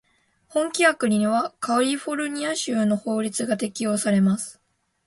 本規約にはカリフォルニア州の法律が適用されます。